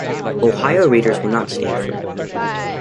Ohio readers would not stand for it.